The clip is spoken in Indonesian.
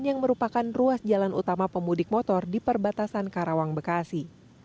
yang merupakan ruas jalan utama pemudik motor di perbatasan karawang bekasi